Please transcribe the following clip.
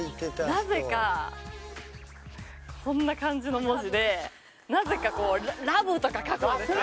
なぜかこんな感じの文字でなぜかこう「ＬＯＶＥ」とか書くんですよ